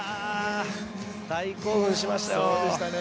大興奮しましたよ。